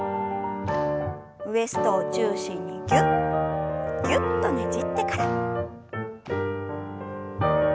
ウエストを中心にギュッギュッとねじってから。